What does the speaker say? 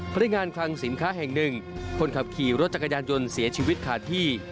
พนักงานคลังสินค้าแห่งหนึ่งคนขับขี่รถจักรยานยนต์เสียชีวิตขาดที่